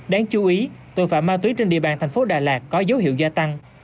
đáng chú ý tội phạm ma túy trên địa bàn thành phố đà lạt có dấu hiệu gia tăng